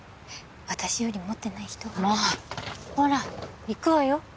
私より持ってない人がもうっほら行くわよ